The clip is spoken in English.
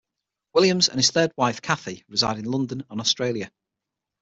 Williams and his third wife, Kathy, reside in London and Australia.